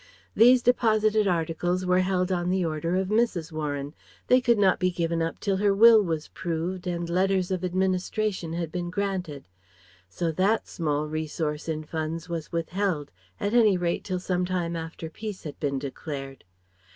These deposited articles were held on the order of Mrs. Warren; they could not be given up till her will was proved and letters of administration had been granted. So that small resource in funds was withheld, at any rate till some time after peace had been declared.